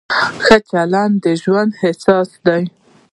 ښه چلند د ژوند اساس دی.